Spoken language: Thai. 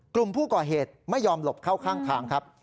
กลุ่มผู้ก่อเหตุไม่ยอมหลบเข้าข้างทางครับ